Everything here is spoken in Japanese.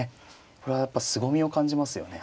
これはやっぱすごみを感じますよね。